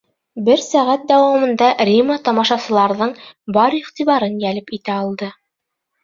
Бер сәғәт дауамында Рима тамашасыларҙың бар иғтибарын йәлеп итә алды.